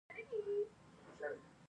ددې فاني کور نه ګور ته کډه اوکړه،